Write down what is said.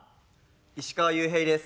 石川裕平です。